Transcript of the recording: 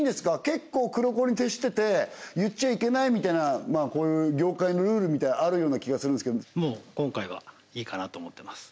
結構黒子に徹してて言っちゃいけないみたいなこういう業界のルールみたいなのあるような気がするんですけどもう今回はいいかなと思ってます